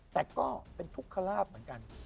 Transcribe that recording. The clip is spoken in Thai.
แต่ก็เป็นทุกขลาบเหมือนกัน